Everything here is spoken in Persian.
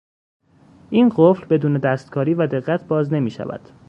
این قفل بدون دستکاری و دقت باز نمیشود.